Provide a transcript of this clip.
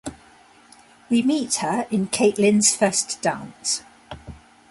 We meet her in "Caitlin's First Dance".